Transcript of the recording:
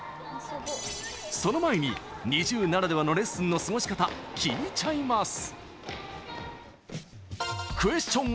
その前にＮｉｚｉＵならではのレッスンの過ごし方聞いちゃいます！